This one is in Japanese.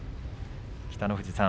北の富士さん